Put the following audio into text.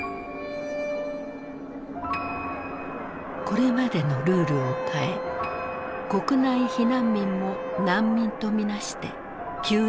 これまでのルールを変え国内避難民も難民と見なして救援に踏み切ったのだ。